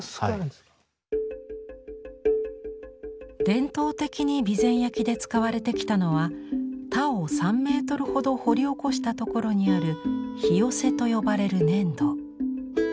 伝統的に備前焼で使われてきたのは田を３メートルほど掘り起こしたところにある「ひよせ」と呼ばれる粘土。